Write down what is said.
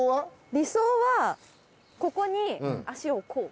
理想はここに足をこう。